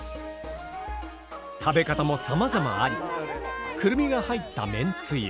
食べ方もさまざまありくるみが入っためんつゆ。